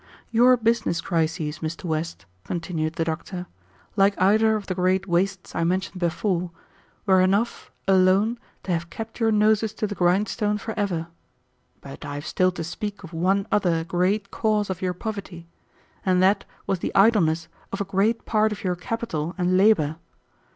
"Your business crises, Mr. West," continued the doctor, "like either of the great wastes I mentioned before, were enough, alone, to have kept your noses to the grindstone forever; but I have still to speak of one other great cause of your poverty, and that was the idleness of a great part of your capital and labor.